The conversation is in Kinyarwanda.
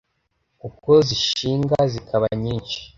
Kuko zishinga zikaba nyinshi